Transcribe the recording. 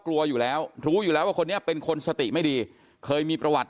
กลัวอยู่แล้วรู้อยู่แล้วว่าคนนี้เป็นคนสติไม่ดีเคยมีประวัติ